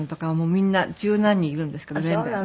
みんな十何人いるんですけどメンバー。